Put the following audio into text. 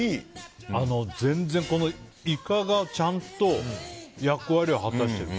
全然、イカがちゃんと役割を果たしてる。